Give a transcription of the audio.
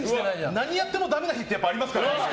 何やってもダメな日ってやっぱりありますから。